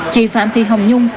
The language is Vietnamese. chị phạm thị hồng nhung